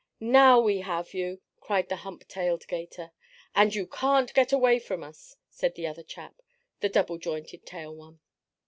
"Now we have you!" cried the humped tail 'gator. "And you can't get away from us," said the other chap the double jointed tail one.